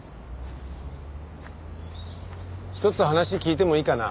一つ話聞いてもいいかな？